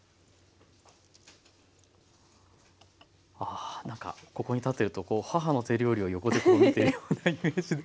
ああ何かここに立ってると母の手料理を横で見てるようなイメージで。